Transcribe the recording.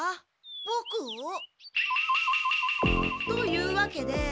ボクを？というわけで。